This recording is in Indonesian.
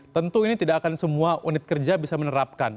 tentu ini tidak akan semua unit kerja bisa menerapkan